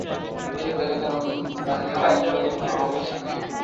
এসব জায়গায় তারা বাংকার নির্মাণ করে অবস্থান নেয়।